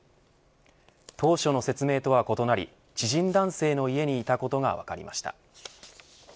当初の説明とは異なり知人男性の家にいたことが分かりました。